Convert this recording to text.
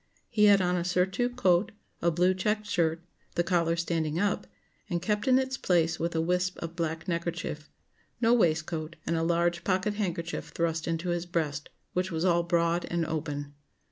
He had on a surtout coat, a blue checked shirt; the collar standing up, and kept in its place with a wisp of black neckerchief; no waistcoat; and a large pocket handkerchief thrust into his breast, which was all broad and open.